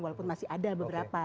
walaupun masih ada beberapa